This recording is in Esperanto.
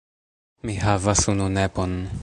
Mi havas unu nepon.